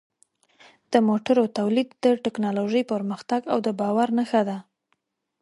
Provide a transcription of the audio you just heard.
د موټرو تولید د ټکنالوژۍ پرمختګ او د باور نښه ده.